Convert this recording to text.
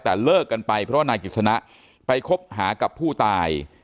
แต่เลิกกันไปเพราะว่านายกิจสนะไปคบหากับผู้ตาย